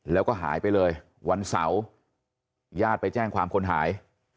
แล้วก็หายไปเลยวันเสาร์ญาติไปแจ้งความคนหาย